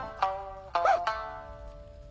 あっ！